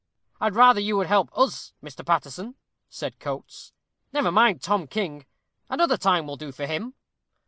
"I'd rather you would help us, Mr. Paterson," said Coates; "never mind Tom King; another time will do for him."